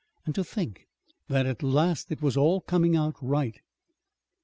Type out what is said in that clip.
And to think that at last it was all coming out right!